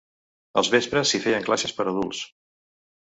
Als vespres s'hi feien classes per adults.